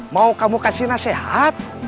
mau kamu kasih nasihat